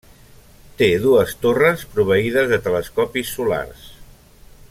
Té dues torres proveïdes de telescopis solars.